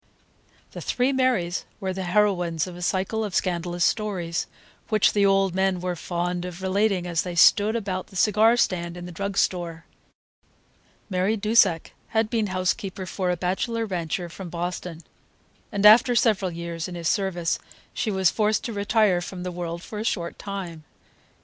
The three Marys were the heroines of a cycle of scandalous stories, which the old men were fond of relating as they sat about the cigar stand in the drug store. Mary Dusak had been housekeeper for a bachelor rancher from Boston, and after several years in his service she was forced to retire from the world for a short time.